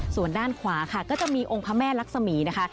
ส่วนด้านขวาค่ะก็จะมีองค์พระแม่ลักษมีนะคะ